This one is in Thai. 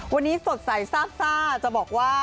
วันนี้สดใสซาบซ่าจะบอกว่า